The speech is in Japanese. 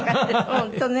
本当ね。